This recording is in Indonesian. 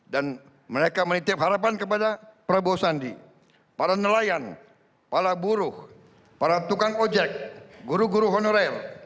dan mereka menitip harapan kepada prabowo sandi para nelayan para buruh para tukang ojek guru guru honorel